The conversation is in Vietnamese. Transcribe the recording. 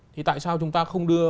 thì tại sao chúng ta không đưa